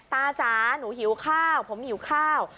จ๋าหนูหิวข้าวผมหิวข้าว